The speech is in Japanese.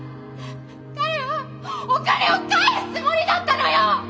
彼はお金を返すつもりだったのよ！